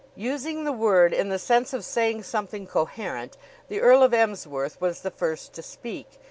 Using the word in the sense of saying something coherent, the Earl of Emsworth was the first to speak.